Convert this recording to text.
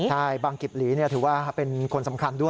ใช่บางกิบหลีถือว่าเป็นคนสำคัญด้วย